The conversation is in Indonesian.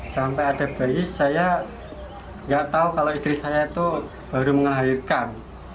sampai ada bayi saya nggak tahu kalau istri saya itu baru melahirkan